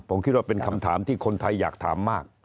ผมคิดว่าเป็นคำถามที่คนไทยอยากถามมาก